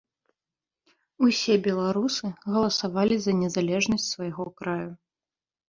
Усе беларусы галасавалі за незалежнасць свайго краю.